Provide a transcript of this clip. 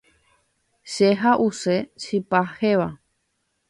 Che ha’use chipa héva.